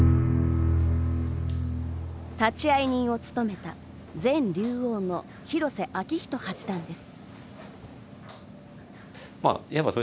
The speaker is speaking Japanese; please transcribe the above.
立会人を務めた前竜王の広瀬章人八段です。